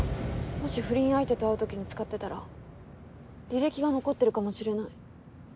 もし不倫相手と会う時に使ってたら履歴が残ってるかもしれない。